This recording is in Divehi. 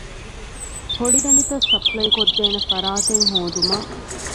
ހޮޅިދަނޑިތައް ސަޕްލައިކޮށްދޭނެ ފަރާތެއް ހޯދުމަށް